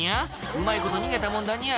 「うまいこと逃げたもんだニャ」